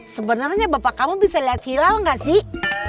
sebenarnya bapak kamu bisa lihat hilal nggak sih